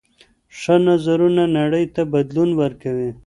ښه نظرونه نړۍ ته بدلون ورکوي.